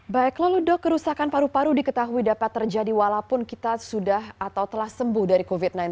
baik lalu dok kerusakan paru paru diketahui dapat terjadi walaupun kita sudah atau telah sembuh dari covid sembilan belas